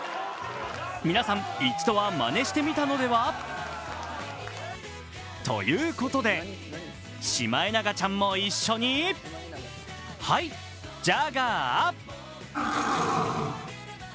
皆さん、一度はまねしてみたのでは？ということで、シマエナガちゃんも一緒に、はい、ジャガー。